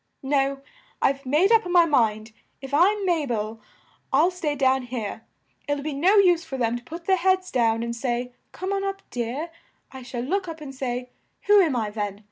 No, I've made up my mind; if I'm Ma bel, I'll stay down here! It'll be no use for them to put their heads down and say, 'Come up, dear!' I shall look up and say, 'Who am I, then?